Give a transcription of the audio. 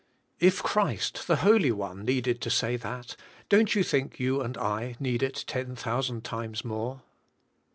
If Christ, the Holy One, needed to say that, don't you think you and I need it ten thousand times more